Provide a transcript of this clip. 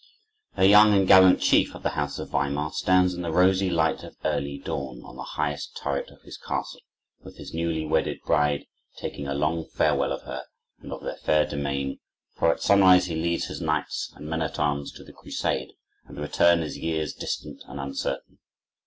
A young and gallant chief of the house of Weimar stands in the rosy light of early dawn, on the highest turret of his castle, with his newly wedded bride, taking a long farewell of her and of their fair domain, for at sunrise he leads his knights and men at arms to the crusade, and the return is years distant and uncertain.